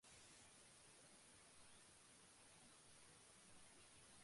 সকলেই এক প্রাণ-সমুদ্রেরই বিভিন্ন অংশ মাত্র, তবে বিভিন্নতা কেবল স্পন্দনের বেগে।